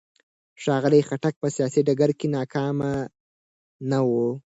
ښاغلي خټک په سیاسي ډګر کې ناکامه نه و.